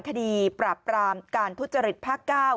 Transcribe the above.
คดีปราบปรามการทุจริตภาค๙